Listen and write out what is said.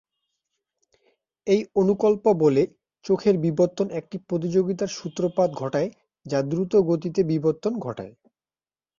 এই অনুকল্প বলে, চোখের বিবর্তন একটি প্রতিযোগিতার সূত্রপাত ঘটায় যা দ্রুতগতিতে বিবর্তন ঘটায়।